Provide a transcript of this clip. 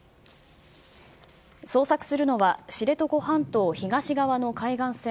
捜索するのは知床半島東側の海岸線